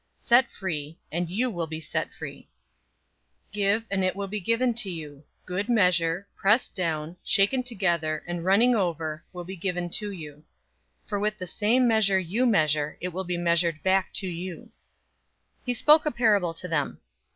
Set free, and you will be set free. 006:038 "Give, and it will be given to you: good measure, pressed down, shaken together, and running over, will be given to you.{literally, into your bosom.} For with the same measure you measure it will be measured back to you." 006:039 He spoke a parable to them.